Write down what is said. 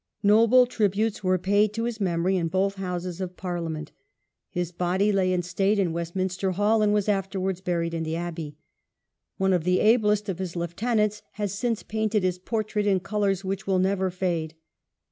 Death of Noble tributes were paid to his memory in both Houses of Gladstone Parliament, his body lay in state in Westminster Hall, and was afterwards buried in the Abbey. One of the ablest of his lieuten ants has since painted his portrait in coloure which will never fade.